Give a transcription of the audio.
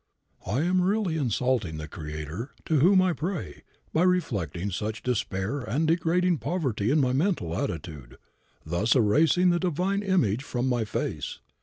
I am really insulting the Creator, to whom I pray, by reflecting such despair and degrading poverty in my mental attitude, thus erasing the divine image from my face.